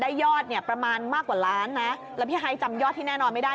คุณผู้ชมรวมได้ยอดเนี้ยประมาณมากกว่าร้านนะแล้วพี่ฮายจำยอดที่แน่นอนไม่ได้